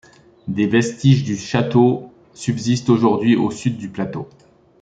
Des vestiges du château subsistent aujourd'hui au sud du plateau.